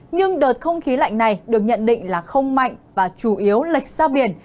nhưng đợt không khí lạnh này được nhận định là không mạnh và chủ yếu lệch ra biển